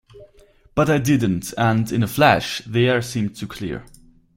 But I didn’t, and, in a flash, the air seemed to clear.